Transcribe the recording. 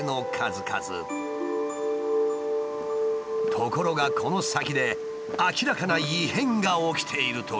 ところがこの先で明らかな異変が起きているという。